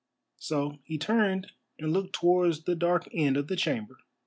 So he turned and looked towards the dark end of the chamber.